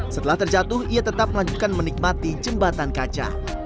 setelah terjatuh ia tetap melanjutkan menikmati jembatan kaca